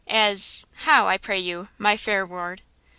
"As–how, I pray you, my fair ward?"